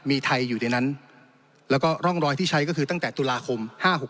มีไทยอยู่ในนั้นแล้วก็ร่องรอยที่ใช้ก็คือตั้งแต่ตุลาคม๕๖๖